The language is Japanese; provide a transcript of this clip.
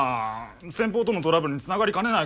先方とのトラブルにつながりかねないから。